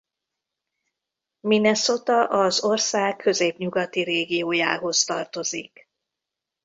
Minnesota az ország középnyugati régiójához tartozik.